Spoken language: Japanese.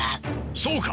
そうか！